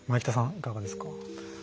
いかがですか？